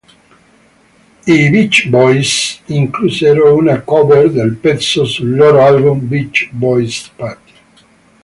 I Beach Boys inclusero una "cover" del pezzo sul loro album "Beach Boys' Party!